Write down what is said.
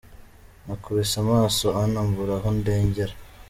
Nakubise amaso Anna mbura aho ndengera.